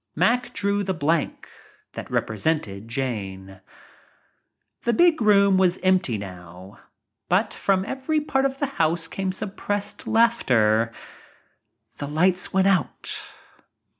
Mack drew the blank that represented Jane. . J The big room was empty now but from every part of the house came suppressed laughter. The lierhts went out.